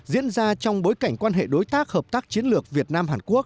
diễn ra trong bối cảnh quan hệ đối tác hợp tác chiến lược việt nam hàn quốc